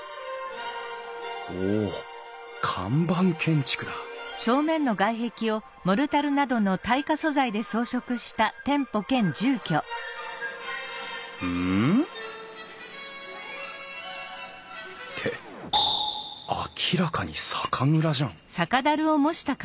おお看板建築だうん？って明らかに酒蔵じゃん！